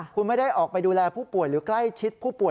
คุณไม่ได้ออกไปดูแลผู้ป่วยหรือใกล้ชิดผู้ป่วย